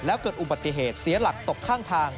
แล้วเกิดอุบัติเหตุเสียหลักตกข้างทาง